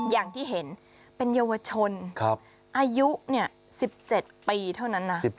อย่างที่เห็นเป็นเยาวชนอายุ๑๗ปีเท่านั้นนะ